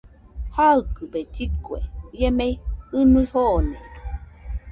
Jaikɨbe lligue, ie mei jɨnui joone.